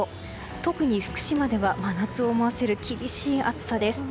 特に福島では真夏を思わせる厳しい暑さです。